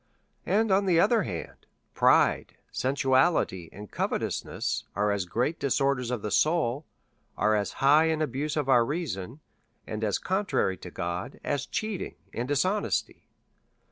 And, on the other hand, pride, sensuality, and co vetousness, are as great disorders of the soul, are as high an abuse of our reason, and as contrary to God, as cheating and dishonesty.